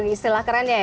istilah kerennya ya